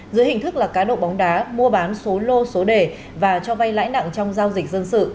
dưới hình thức là cá độ bóng đá mua bán số lô số đề và cho vay lãi nặng trong giao dịch dân sự